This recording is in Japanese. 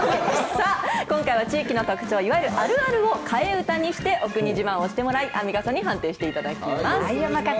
さあ、今回は地域の特徴、いわゆるあるあるを替え歌にしてお国自慢をしてもらい、アンミカさんに判定していただきます。